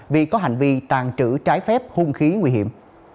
vì có hành vi tàn trữ trái phép hung khí nguy hiểm